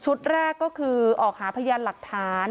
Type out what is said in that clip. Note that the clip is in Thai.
ชุดแรกก็คือออกหาพยันทราบ